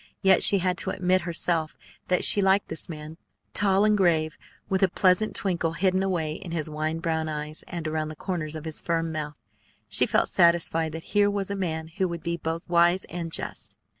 Yet she had to admit herself that she liked this man, tall and grave with a pleasant twinkle hidden away in his wine brown eyes and around the corners of his firm mouth. She felt satisfied that here was a man who would be both wise and just.